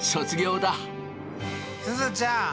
すずちゃん！